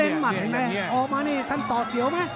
เห็นไหมออกมานี่ท่านต่อเสียวไหม